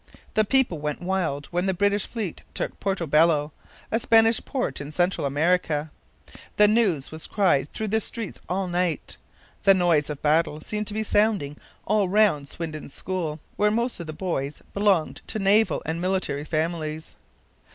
The people went wild when the British fleet took Porto Bello, a Spanish port in Central America. The news was cried through the streets all night. The noise of battle seemed to be sounding all round Swinden's school, where most of the boys belonged to naval and military families.